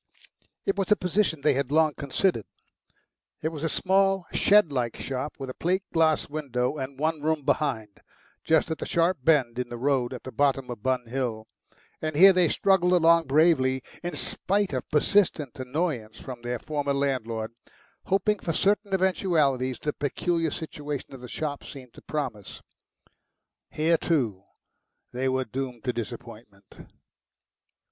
It was a position they had long considered. It was a small, shed like shop with a plate glass window and one room behind, just at the sharp bend in the road at the bottom of Bun Hill; and here they struggled along bravely, in spite of persistent annoyance from their former landlord, hoping for certain eventualities the peculiar situation of the shop seemed to promise. Here, too, they were doomed to disappointment.